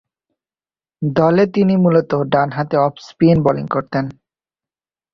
দলে তিনি মূলতঃ ডানহাতে অফ স্পিন বোলিং করতেন।